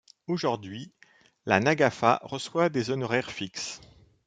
Aujourd’hui, la nagafa reçoit des honoraires fixes.